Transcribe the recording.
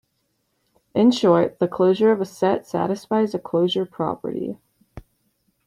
In short, the closure of a set satisfies a closure property.